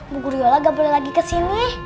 bu guru yola nggak boleh lagi ke sini